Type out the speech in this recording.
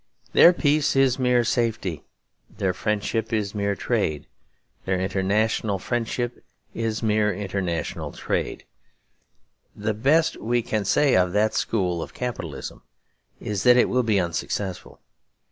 Their peace is mere safety, their friendship is mere trade; their international friendship is mere international trade. The best we can say of that school of capitalism is that it will be unsuccessful.